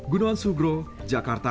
gunawan sugro jakarta